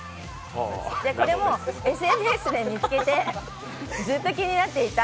これもＳＮＳで見つけて、ずっと気になっていた